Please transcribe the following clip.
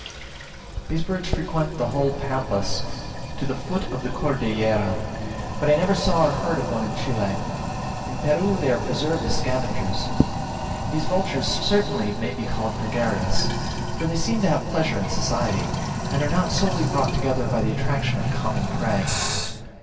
These birds frequent the whole Pampas to the foot of the Cordillera, but I never saw or heard of one in Chile; in Peru they are preserved as scavengers. These vultures certainly may be called gregarious, for they seem to have pleasure in society, and are not solely brought together by the attraction of a common prey.